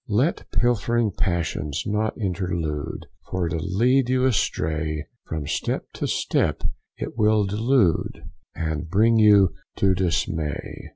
Let pilfering passions not intrude, For to lead you astray, From step to step it will delude, And bring you to dismay.